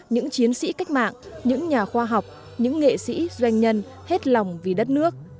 những chiến sĩ cách mạng những nhà khoa học những nghệ sĩ doanh nhân hết lòng vì đất nước